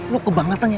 lo ke banglatang ya